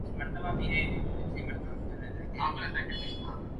test team کے لیے بھی